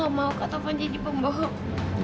ya udah kita pergi ya